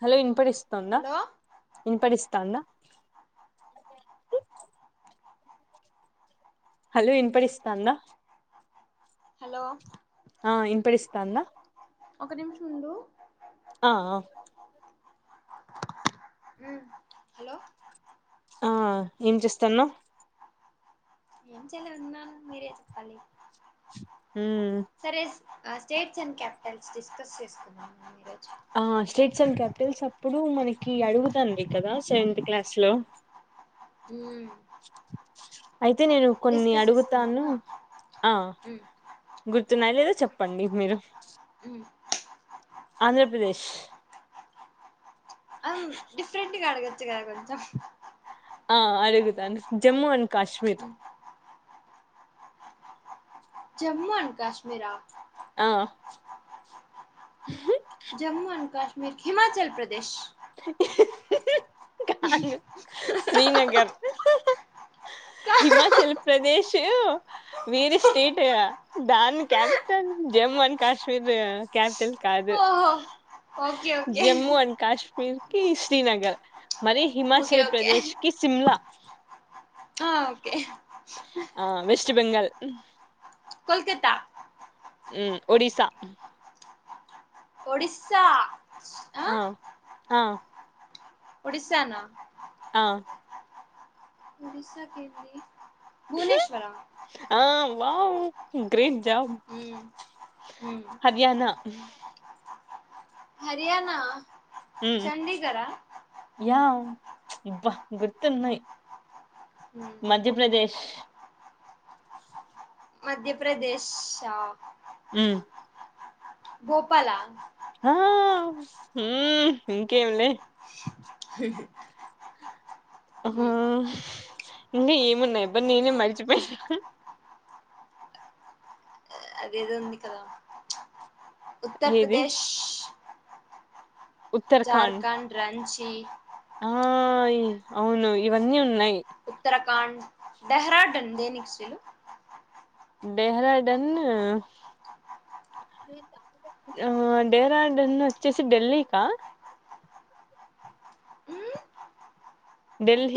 అ hello విన్పటిస్తుందా hello విన్పటిస్తాందా hello విన్పడిస్తాందా హలో ఇన్పడిస్తాందా ఒక నిమిషం ఉండు అ ఆ ఉమ్ హలో ఆ ఏం చేస్తున్నావ్ ఏం చేయలేదున్నాను మీరే చెప్పాలి ఉమ్ ఆ స్టేట్స్ అండ్ క్యాపిటల్స్ డిస్కస్ చేసుకున్నాం ఆ స్టేట్స్ అండ్ క్యాపిటల్స్ అప్పుడు మనకి అడుగుతాంది కదా సెవెంత్ క్లాస్ లో ఉమ్ అయితే నేను కొన్ని అడుగుతాను ఆ మ్మ్ గుర్తున్నాయో లేదో చెప్పండి మీరు మ్మ్ ఆంధ్రప్రదేశ్ అమ్ డిఫరెంట్గా అడగచ్చు కదా కొంచెం ఆ అడుగుతాను జమ్మూ అండ్ కాశ్మీర్ జమ్మూ అండ్ కాశ్మీరా ఆ జమ్మూ అండ్ కాశ్మీర్ హిమాచల్ ప్రదేశ్ కాదు శ్రీనగర్ హిమాచల్ ప్రదేశు వేరే స్టేట్ ఇక దాని capital Jammu and Kashmir capital కాదు ఓహో okay okay Jammu and Kashmir కి శ్రీనగర్ మరి ఓకే హిమాచల్ ఓకే ప్రదేశ్ కి సిమ్లా ఆ ఓకే ఆ వెస్ట్ బెంగాల్ కోల్కత్తా ఉ ఒడిసా ఒడిస్సా ఆ ఆ ఒడిశా నా ఆ ఒడిస్సా కి ఏంటి ఆ wow green jam Haryana Haryana హ్మ్ చండీగఢ యా ఇబ్బ గుర్తున్నయి మధ్యప్రదేశ్ మధ్యప్రదేశా మ్మ్ భోపాల ఆ మ్మ్ ఇంకేంలే హ ఇంగ ఏమున్నాయబ్బ నేనే మరిచిపోయ్నా అదేదో ఉంది కదా ఏది ఉత్తర్ప్రదేశ్ ఉత్తరాఖండ్ ఝార్ఖండ్ రంచీ ఆ అవును ఇవన్నీ ఉన్నాయి టకాండ్ డెహ్రాడున్ దేనికి శ్రీలు డెహ్రాడున్ ఆ డెహ్రాడున్ వచ్చేసి ఢెల్లీకా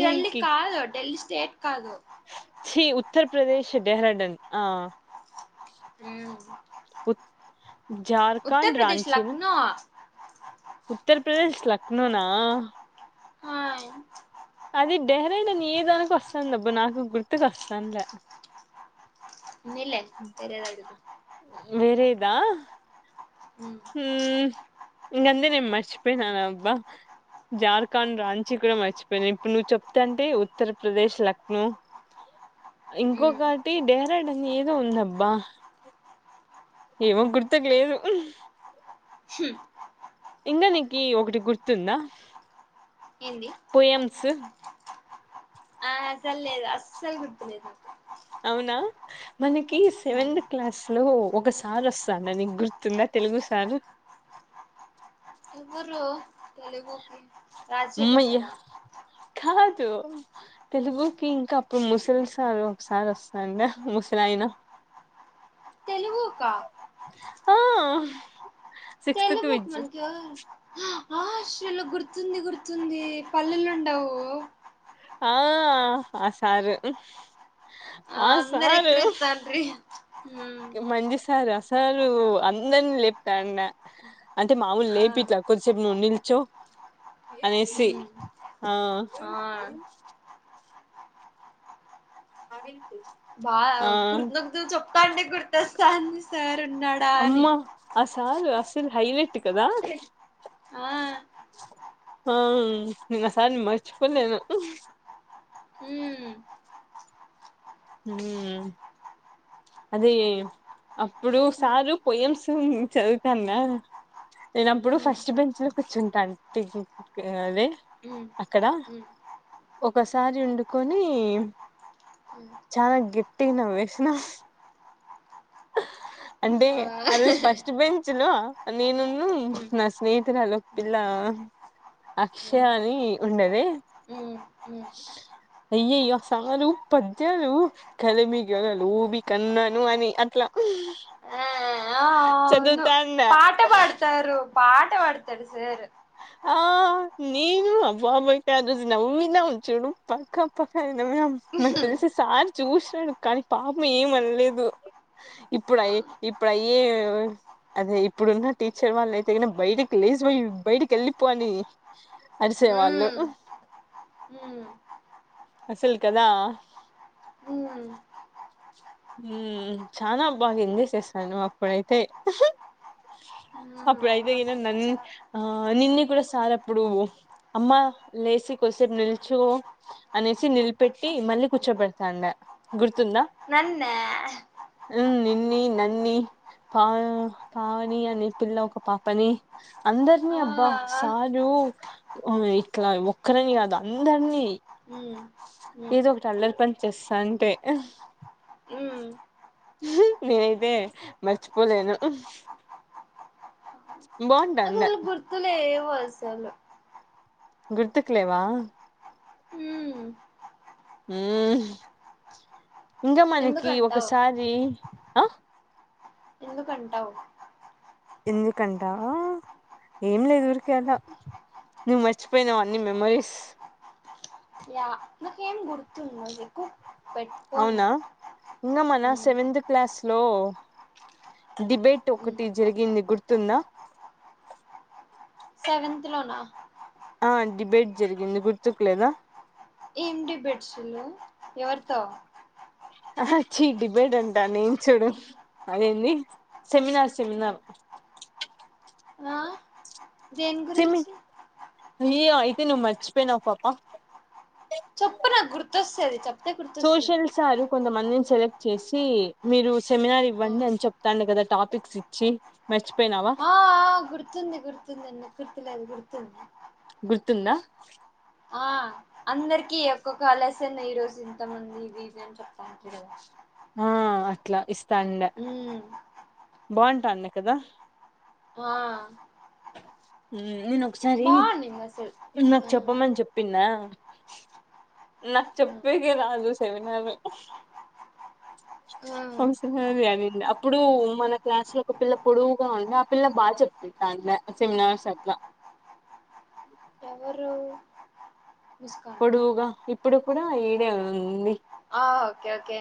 ఢెల్లీ కాదు ఢెల్లీ స్టేట్ కాదు ఉత్తర్ప్రదేశ్ డెహ్రాడున్ ఆ ఝార్ఖండ్ ఉత్తరప్రదేశ్ రాంచీన్ లక్నో ఉత్తర్ప్రదేశ్ లక్నోనా ఆయ్ అది డెహ్రాడున్ ఏదానికొస్తాందబ్బ నాకు గుర్తుకు వస్తాను ల ఉన్నిలే వేరేదడుగు దా హ్మ్ ఇంగన్నీ నేన్ మర్చిపొయినానబ్బా జార్ఖాండ్ రాంచి కూడా మర్చిపోయిన ఇప్పుడు నువ్వు చెప్తాంటే ఉత్తరప్రదేశ్ లక్నో ఇంకొకటి డెహ్రాడున్ ఏదో ఉందబ్బా ఏమో గుర్తుకు లేదు ఇంగా నీకి ఒకటి గుర్తుందా ఏంది పొయమ్స్ ఆ అసల్లేదు అస్సలు గుర్తులేదు అవునా మనకి సెవెంద్ క్లాస్ లో ఒక సారొస్తాన్న నీకు గుర్తుందా తెలుగు సారు ఇవురు తెలుగుకి రాజశేఖర్ అమ్మయ్య సారా కాదు తెలుగుకి ఇంకా అప్పుడు ముసలి సారు ఒక సారొస్తాండ ముసిలాయినా ! ! ! ! ! ! ! ! ! ! ఆ సిక్స్త్ కి తెలుగుక్ విద్య మన్క్య ఆ శ్రీలు గుర్తుంది గుర్తుంది పల్లెలుండవు ఆ ఆ సారు ఆ అందరు సారు ఎక్కిరిస్తాండ్రి ఉమ్ మంజి సారు ఆ సారు అందరినీ లేపుతాండా అంటే మామూలు ఆ లేపిట్లా కొద్దిసేపు నువ్వు నిల్చో అనేసి ఉమ్ ఆ ఆ అరి బా గుర్దుదును చెప్తాంటే గుర్తస్తాంది సారు అమ్మా ఆ సాలు అసలు హైలైట్ కదా ఆ ఆ నిన్ ఆ సార్ని మర్చుపోలేను ఉమ్ హ్మ్ అదే అప్పుడు సారు పొయమ్స్ చదువుతాన్న ఉమ్ నేనప్పుడు ఉమ్ ఫస్ట్ బెంచ్ లో కూర్చుంటాంటి ఉమ్ అక్కడ ఒకసారి వండుకొని ఉమ్ చనా గెట్టిగ నవ్వేసిన అంటే ఆ రోజు ఉమ్ ఫస్ట్ బెంచ్ చ్ లో నేనున్న ఆ నా స్నేహితురాలో పిల్ల అక్షయ అని ఉండేది ఉ అయ్యయ్యో సారు పద్యాలు కలిమి గళ లోబి కన్నాను అని అట్ల ఆ ఆ అవును చదువుతానా పాట పాడతారు పాట పాడతడు సార్ ఆ నేను అబొయ్ కాజస్ నవ్వినమ్ చుడు పక్క పక మేడం నాకు హ్మ్ తెలిసి సార్ చూసినాను కానీ పాపం ఏమనలేదు ఇప్పుడ ఇప్పుడు అయ్యే అదే ఇప్పుడున్న టీచర్ వాళ్ళు అయితే గీన బయటకి లేసిమరి బయటికి వెళ్లిపో అని అరిసే వాళ్ళు హ్మ్ హ్మ్ అసలు కదా హ్మ్ ఊ చానాబా ఎంజాయ్ చేస్తాను అప్పుడైతే ఉహు ఊ అవును ఇగ ఈన అసలు నన్ చా ఆ ఆ నిన్ని కూడా సార్ అప్పుడు అమ్మ లేసి కొద్దిసేపు నిల్చు అనేసి ని నిల్పేట్టి మళ్ళీ కూర్చోబడతాండ గుర్తుందా నన్న ఊ నిన్నీ నన్నీ పా పావని అనే పిల్ల ఒక పాపని అందరినీ ఆ అబ్బా ఆ సారు కు ఇట్లా ఒక్కరని కాదు అందరినీ ఊ ఏదో ఒకటి అల్లరి పని చేస్తా అంటే హ్మ్ ఉహు నేనైతే మర్చిపోలేను బాగుంటాంద కుర్తులేవు అసలు గుర్తుకులేవా హ్మ్ ఇంకా మనకి ఎందుకంటావ్ ఒకసారి అ ఎందుకంటవ్ ఎందుకంటవా ఏం లేదు ఊరికె అలా నువ్వు మర్చిపోయినావన్ని మెమరీస్ యా నాకేం గుర్తుంద నీకు అవునా ఇంకా నేను మన హ్మ్ సెవెంత్ క్లాస్ లో డిబేట్ హ్మ్ ఒకటి జరిగింది గుర్తుందా సెవెంత్ లోనా ఆ డిబేట్ జరిగింది గుర్తుకు లేదా ఏం డిబెట్సులు ఎవరితో అహ చీ డిబేడంటా నేను చూడు అదేంది సెమినార్ సెమినార్ ఆ దేని గురించి ఈయ అయితే నువ్ మర్చపోయినవా పాప చొప్పు నాకు గుర్తొస్తది చెప్ సోషల్ సారు కొందం మందిని సెలెక్ట్ చేసి మీరు సెమినార్ ఆ ఇవ్వండి అని చెప్తాండు కదా టాపిక్స్ ఇచ్చి మర్చ్ పెనావా ఆ గుర్తుంది గుర్తుంది ఎందుకు గుర్తులేదు గుర్తుంది గుర్తుందా ఆ అందరికిీ ఒక్కొక్క ఆలస్యన్ని ఈరోజు ఇంతమంది ఇది ఇది అని చెప్తాను ఆ అట్లా ఇస్తా మ్మ్ హ్ బాగుంటాంది కదా ఆ నేను ఒకసారి బాగుండింది అసలు నాకు ఆ చెప్పమని చెప్పిందా నాకు ఆ చెప్పడం రాదు సెమినార్ ఆ, ఒక్కసారి అనింది ఇప్పుడు మన క్లాస్ లో ఒక పిల్ల పొడువుగా ఉంది ఆ పిల్ల బాగా చెప్తుంది సెమినార్స్ అట్లా ఎవరు ముస్కాన్ పొడువుగా ఇప్పుడు కూడా ఈడే ఉంది ఆ ఓకే ఓకే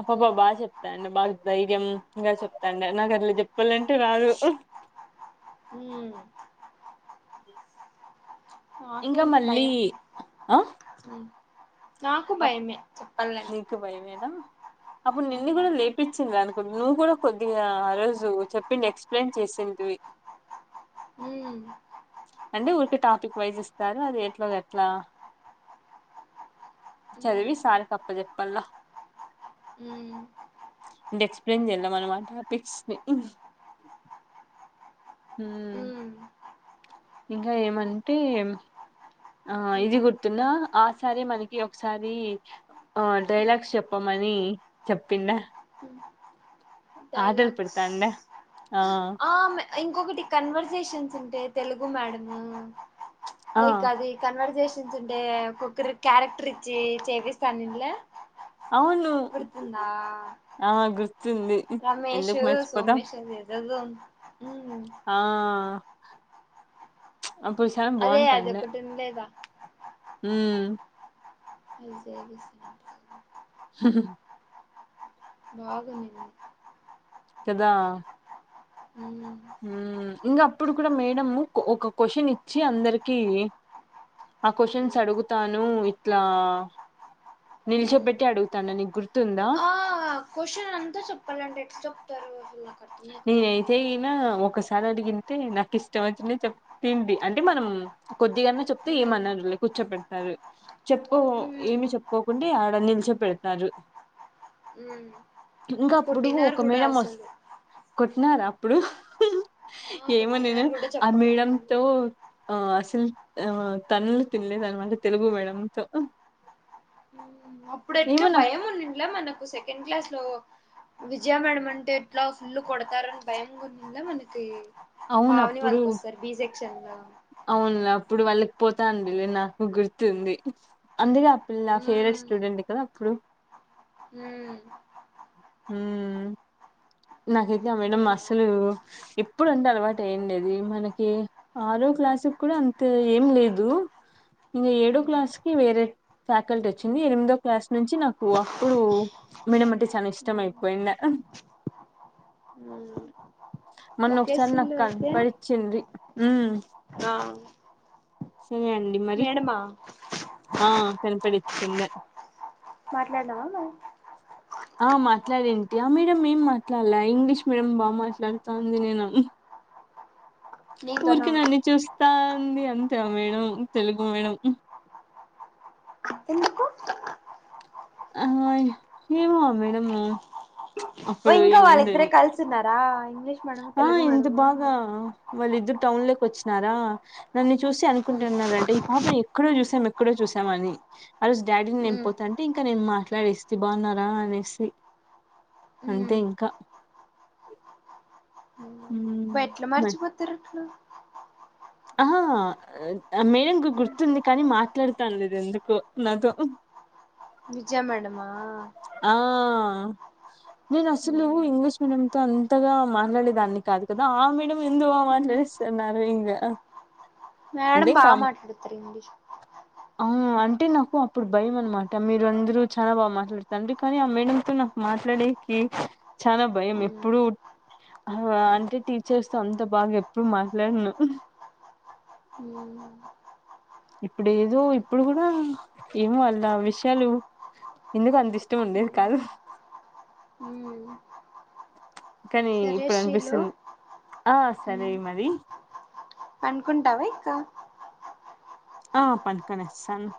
అప్పబా బాగా చెప్తాంది బాగా ధైర్యయంగా చెప్తాంది నాకు అట్లా చెప్పాలంటే రాదు [inaudible] మ్మ్ నాకు ఇంకా ఉంది మళ్ళీ భయం ఆ నాకు అప్ భయమే చెప్పాలంటే నీకు భయమేన అప్పుడు నిన్ను ఉమ్. కూడా లేపించింది అనుకుంటా నువ్వు కూడా కొద్దిగా ఆ రోజు చెప్పింది ఎక్స్ప్లెయిన్ చేసింటువి హు అంటే ఊరికే టాపిక్ వైజ్ ఇస్తారు అది ఎట్లో గట్లా హ్మ్ చదివి సార్కి అప్ప చెెప్పలా హ్మ్ అంటే ఎక్స్ప్లెయిన్ చేయాలి ఆ టాపిక్స్ ని మ్మ్ ఇంకా ఏమంటే ఆ హ్మ్ ఇది గుర్తుందా ఆ సారే మనకి ఒకసారి ఆ డైలాగ్స్ చెప్పమని చెప్పిండా హ్మ్. అడల్ డైలాగ్స్ పెడుతాండ ఇంకొకటి కన్వర్సేషన్స్ ఉండే తెలుగు మేడము ఆ లైక్ అది కన్వర్జేషన్ అంటే ఒకక్కరి క్యారెక్టర్ ఇచ్చి చేపిస్తంది ఇనలే అవును గుర్తుందా ఆ గుర్తుంది రమేష్ ఎందుకు మర్చిపోతాం సోమేష్ అది ఎదేదో ఆ అప్పుడు సాంగ్ అదే బాగుంటండే అదొకటి ఉండేదా మ్మ్ అజేగి హ్హ్ హు బాగుంది కదా ఇంగా అప్పుడు కూడా మేడం ఒక క్వశ్చన్ ఇచ్చింది వచ్చి అందరికి ఆ క్వశ్చన్స్ హ్మ్ అడుగుతాను ఇట్లా నిల్చోపెట్టి అడుగుతాను నీకు గుర్తుందా ఆ క్వశ్చన్ అంతా చెప్పాలంటే కష్టం తర్వాత నేనయితే గినా ఒకసారి అడిగితే నాకు ఇష్టం వచ్చిందని చెప్పింది అంటే మనం కొద్దిగాన్నా చెప్తే హ్మ్ ఏమన్నారులే కూర్చోబెడతారు హ్మ్ ఏమి చెప్పుకోకుండా ఉంటే ఆడ నీల్చొ బెడుతారు హ్మ్ పెడతారు ఇంకా అప్పుడు కొట్టినారు ఒక గూడా మేడం వస్తే అసలు ఉన్నారా అప్పుడు ఆ ఏమో నేను కొట్టినారు గూడా ఆ చెప్పకుండా వాళ్ళు మేడంతో అసలు ఆ తన్నులు తిల్లేదు అన్నమాట తెలుగు మేడంతో అప్పుడు ఎట్లా ఏమో నాకు భయం ఉండిండ్లే మనకు సెకండ్ క్లాస్ లో విజయ మేడం అంటే ఎట్లా ఫుల్ కొడతారని భయం గుడిందా మనకి పావని వాళ్ళకు వస్తారు బి సెక్షన్ ల అవును లే అప్పుడు వాళ్ళకి పోతంది లే నాకు గుర్తుంది. అందుకే అప్పు పిల్ల నా ఫేవరెట్ స్టూడెంటె కదా అప్పుడు హ్ హ్ నాకైతే ఆ మేడం బట్ నాక్ అసలు ఇప్పుడంటే అలవాటు ఏం లేదు మనకి ఆరో క్లాసుకు కూడా అంతే ఏం లేదు ఇంగ ఏడో క్లాస్కి వేరే ఫ్యాకల్టీ వోచ్చింది. ఎనిమిదో క్లాస్ నుంచి నాకు అప్పుడు మేడంటే ఇ ఇష్టము ఎక్కువైంది మొన్న ఒకసారి నాకు ఒకేషన్లో అయితే కనపడిచ్చింది ఉమ్ ఆ సరే అండి మరి మేడమా ఆ కనిపడి చిన్న మాట్లాడినావ మరి ఆ మాట్లాడేంటి ఆ మేడం ఏం మాట్లాడ్లే ఇంగ్లీష్ మీడియం బాగా మాట్లాడుతంది. నేను నీతోనా ఊరికే నన్ను చూస్తా ఉంది. అంతే ఆ మేడం తెలుగు మేడం ఎందుకు ఆ ఏమో ఆ మేడము హొ ఇంకా వాళ్ళు ఇద్దరే కలిసి ఉన్నారా ఆ ఇంత బాగా వాళ్ళిద్దరు టౌన్ లోకి వోచ్చినారా నన్ను చూసి అనుకుంటున్నరాంట ఈ పాపను ఎక్కడో చూసాం ఎక్కడో చూసం ఆని ఆ రోజు డాడీ నేను మ్మ్ పోతంటే ఇంకా నేను మాట్లాడేస్థి బాగున్నారా అనేసి అంతే మ్మ్ ఇంకా ఉమ్. ఎట్లా మ- మర్చిపోతారు అట్ల ఆ మేడం కు గుర్తుంది కానీ మాట్లాడుతా లేదు ఎందుకో నాతో విజయా మేడం ఆ నేను అసలు మ్మ్ ఇంగ్లీష్ మేడం తో అంతగా మాట్లాడేదాన్ని కాదు కదా ఆ మేడం ఎందుకో మాట్లాడేస్తాది. న్నారు ఇంగ మేడం బాగా మాట్లాడతారు. ఇంగ్లీష్ అ అంటే నాకు అప్పుడు భయం అన్మాట మీరు అందరు చాలా బాగా మాట్లాడు తండ్రీ కానీ ఆ మేడంతో నా మాట్లాడేకి చాలా భయం ఉమ్ ఎప్పుడు ఉ ఆ అంటే టీచర్స్ తో అంత బాగా ఎప్పుడు మాట్లాడను హ్ ఇప్పుడు ఏదో ఇప్పుడు కూడా ఏమో ఆళ్ళ విషయాలు ఎందుకు అనిపిస్తు హ్ హు కానీ ఇప్పుడు అనిపిస్తుంది. ఆ సరే మరి పండుకుంటావా ఇంకా ఆ పండుకొని వస్తను